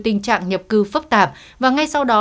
tình trạng nhập cư phức tạp và ngay sau đó